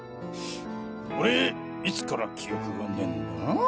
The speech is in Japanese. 俺いつから記憶がねえんだぁ？